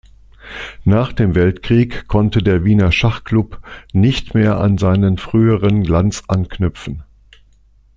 Nach dem Weltkrieg konnte der Wiener Schachklub nicht mehr an seinen früheren Glanz anknüpfen.